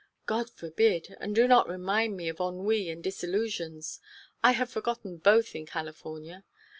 "God forbid. And do not remind me of ennui and disillusions. I have forgotten both in California.